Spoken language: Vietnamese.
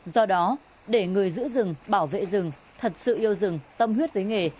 do đó để người giữ rừng bảo vệ rừng thật sự yêu rừng tâm huyết với nghề